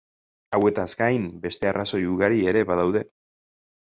Hauetaz gain, beste arrazoi ugari ere badaude.